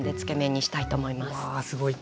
わあすごい。